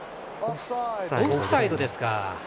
オフサイドですか。